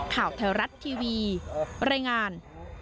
ข่าวไทยรัฐทีวีรายงาน